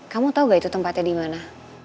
kamu tau gak itu tempatnya dimana